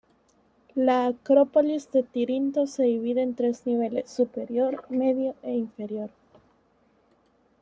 La acrópolis de Tirinto se divide en tres niveles: superior, medio e inferior.